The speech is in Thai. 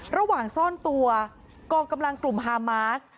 ระหว่างซ่อนตัวกองกำลังกลุ่มฮามาส